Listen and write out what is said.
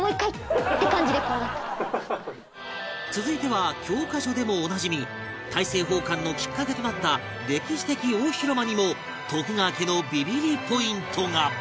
続いては教科書でもおなじみ大政奉還のきっかけとなった歴史的大広間にも徳川家のビビりポイントが